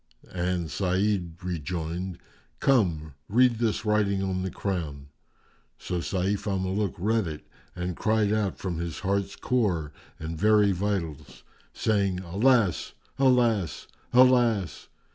and Sa'id rejoined, "Come, read this writing on the crown." So Sayf al Muluk read it and cried out from his heart's core and very vitals, saying, "Alas! Alas! Alas!"